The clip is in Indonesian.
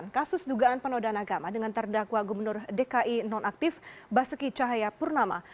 kasus dugaan penodaan agama dengan terdakwa gubernur dki nonaktif basuki cahayapurnama